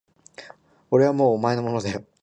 俺はもうお前のものだよ